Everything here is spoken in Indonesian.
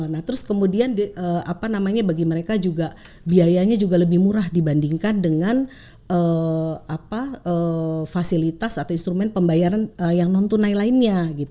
nah terus kemudian bagi mereka juga biayanya juga lebih murah dibandingkan dengan fasilitas atau instrumen pembayaran yang non tunai lainnya